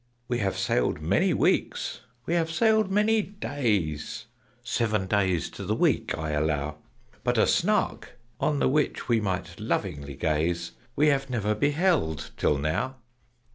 "We have sailed many weeks, we have sailed many days, (Seven days to the week I allow), But a Snark, on the which we might lovingly gaze, We have never beheld till now!